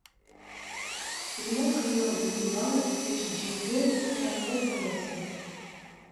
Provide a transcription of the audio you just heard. Ilaq yuɣ-d Yuba tijeǧǧigin i Saɛida Tawasift.